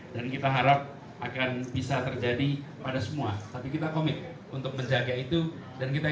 dan kita harap akan bisa terjadi pada semua tapi kita komik untuk menjaga itu dan kita